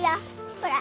ほら。